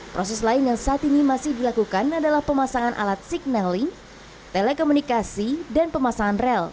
proses lain yang saat ini masih dilakukan adalah pemasangan alat signaling telekomunikasi dan pemasangan rel